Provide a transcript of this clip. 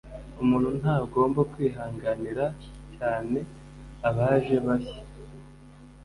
Umuntu ntagomba kwihanganira cyane abaje bashya